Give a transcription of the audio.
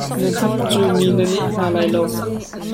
Na hnap cu mi na neh hna lai lo.